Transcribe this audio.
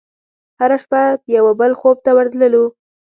هره شپه د یوه بل خوب ته ورتللو